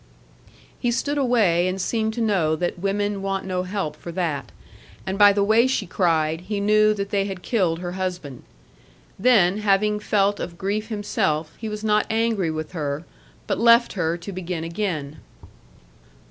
He stood away, and seemed to know that women want no help for that. And by the way she cried he knew that they had killed her husband. Then, having felt of grief himself, he was not angry with her, but left her to begin again.